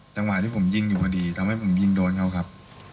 จังหวะที่ผมยิงอยู่พอดีทำให้ผมยิงโดนเขาครับ